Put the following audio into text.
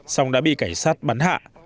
xong đã bị cảnh sát bắn hạ